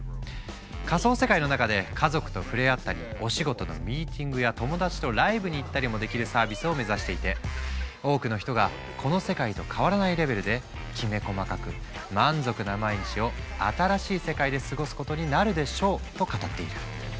仮想世界の中で家族と触れ合ったりお仕事のミーティングや友達とライブに行ったりもできるサービスを目指していて多くの人がこの世界と変わらないレベルできめ細かく満足な毎日を新しい世界で過ごすことになるでしょうと語っている。